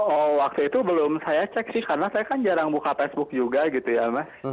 oh waktu itu belum saya cek sih karena saya kan jarang buka facebook juga gitu ya mas